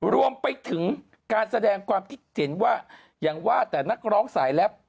รวมไปถึงการแสดงความคิดเห็นว่าอย่างว่าแต่นักร้องสายแรป